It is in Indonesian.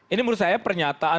ini menurut saya pernyataan